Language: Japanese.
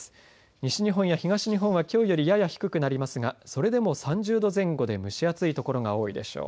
西日本や東日本は、きょうよりやや低くなりますが、それでも３０度前後で蒸し暑い所が多いでしょう。